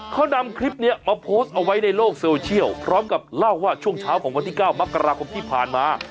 เขานำคลิปนี้มาโพสต์เอาไว้ในโลกโซเชียลพร้อมกับเล่าว่าช่วงเช้าของวันที่๙มกราคมที่ผ่านมา